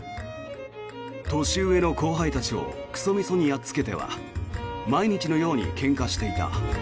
年上の後輩たちをクソミソにやっつけては毎日のようにけんかしていた。